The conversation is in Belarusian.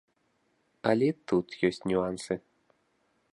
Але і тут ёсць нюансы.